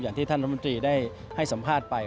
อย่างที่ท่านรัฐมนตรีได้ให้สัมภาษณ์ไป